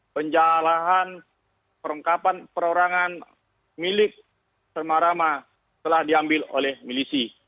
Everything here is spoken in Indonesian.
penjalahan perorangan milik serma rama telah diambil oleh milisi